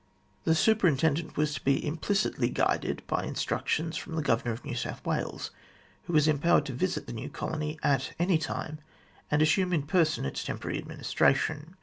The 26 THE GLADSTONE COLONY Superintendent was to be implicitly guided by instructions from the Governor of New South, Wales, who was empowered to visit the new colony at any time, and assume in person its temporary administration.